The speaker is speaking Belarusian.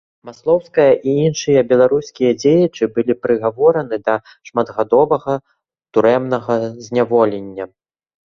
Маслоўская і іншыя беларускія дзеячы былі прыгавораны да шматгадовага турэмнага зняволення.